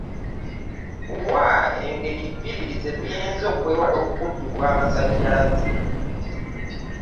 Wa engeri bbiri ze tuyinza okwewala okukubibwa amasannyalaze.